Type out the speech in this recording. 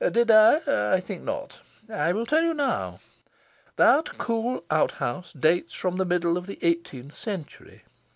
"Did I? I think not. I will tell you now... That cool out house dates from the middle of the eighteenth century.